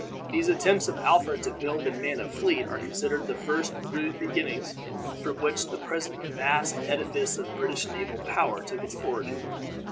These attempts of Alfred to build and man a fleet are considered the first rude beginnings from which the present vast edifice of British naval power took its origin.